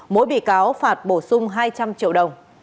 mỗi bị cáo phạt bổ sung hai trăm linh triệu đồng